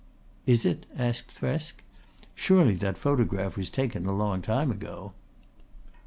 "Is it?" asked Thresk. "Surely that photograph was taken a long time ago."